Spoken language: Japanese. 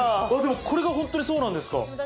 これが本当にそうなんですか？